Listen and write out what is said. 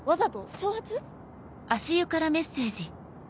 挑発？